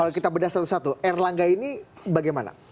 saya akan memberi contoh satu satu erlangga ini bagaimana